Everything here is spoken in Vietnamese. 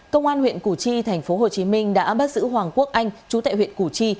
công an huyện củ chi tp hcm đã bắt giữ hoàng quốc anh chú tại huyện củ chi